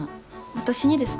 私にですか？